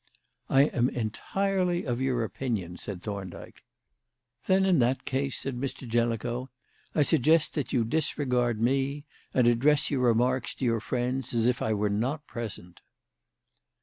"I am entirely of your opinion," said Thorndyke. "Then in that case," said Mr. Jellicoe, "I suggest that you disregard me, and address your remarks to your friends as if I were not present."